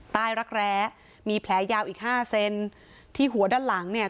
รักแร้มีแผลยาวอีกห้าเซนที่หัวด้านหลังเนี่ย